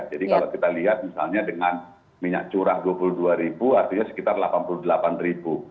jadi kalau kita lihat misalnya dengan minyak curah dua puluh dua ribu artinya sekitar delapan puluh delapan ribu